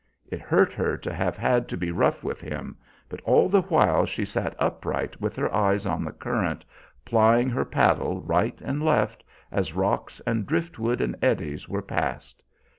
It hurt her to have had to be rough with him. But all the while she sat upright with her eyes on the current, plying her paddle right and left, as rocks and driftwood and eddies were passed.